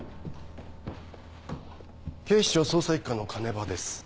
警視庁捜査一課の鐘場です。